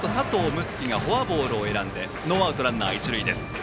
樹がフォアボールを選んでノーアウトランナー、一塁です。